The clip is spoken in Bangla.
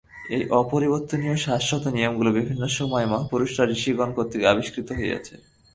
এই অপরিবর্তনীয় শাশ্বত নিয়মগুলি বিভিন্ন সময়ে মহাপুরুষ বা ঋষিগণ কর্তৃক আবিষ্কৃত হইয়াছে।